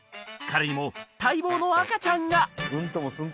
彼にも待望の赤ちゃんが！